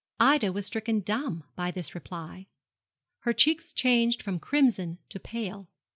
Ida was stricken dumb by this reply. Her cheeks changed from crimson to pale.